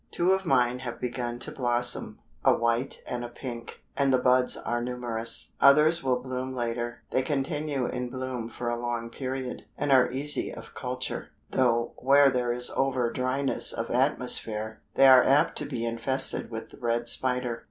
Two of mine have begun to blossom a white and a pink and the buds are numerous. Others will bloom later. They continue in bloom for a long period, and are easy of culture, though where there is over dryness of atmosphere, they are apt to be infested with the red spider.